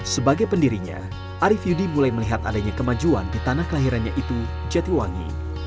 sebagai pendirinya arief yudi mulai melihat adanya kemajuan di tanah kelahirannya itu jatiwangi